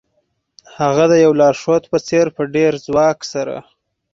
هغه د یو لارښود په څیر په ډیر ځواک سره